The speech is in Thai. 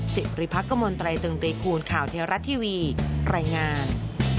สิริพักษ์กระมวลไตรเติมเปรียกคูณข่าวแท้รัฐทีวีรายงาน